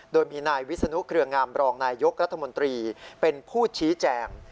โดยมีนายวิศนุเครืองามรองนายยกรัฐมนตรีเป็นผู้ชี้แจง